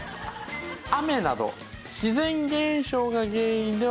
雨など自然現象が原因ではありません。